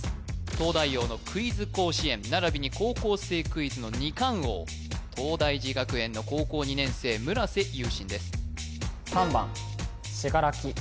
「東大生」の「クイズ甲子園」ならびに「高校生クイズ」の２冠王東大寺学園の高校２年生村瀬勇信です